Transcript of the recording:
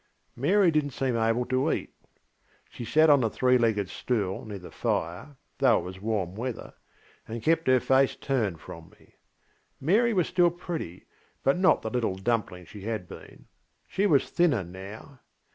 Mary didnŌĆÖt seem able to eat. She sat on the three legged stool near the fire, though it was warm weather, and kept her face turned from me. Mary was still pretty, but not the little dumpling she had been: she was thinner now.